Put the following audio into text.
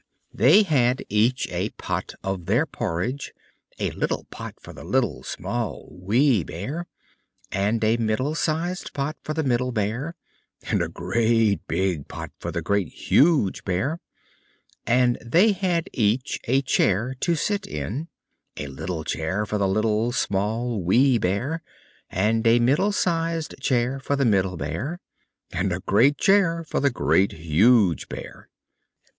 They had each a pot for their porridge; a little pot for the Little, Small, Wee Bear; and a middle sized pot for the Middle Bear, and a great pot for the Great, Huge Bear. And they had each a chair to sit in; a little chair for the Little, Small, Wee Bear; and a middle sized chair for the Middle Bear, and a great chair for the Great, Huge Bear.